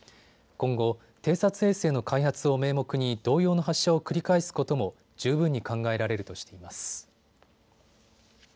今後、偵察衛星の開発を名目に同様の発射を繰り返すことも十分に考えられるとしています。